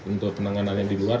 untuk penanganan yang di luar